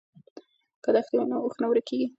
که دښته وي نو اوښ نه ورکیږي.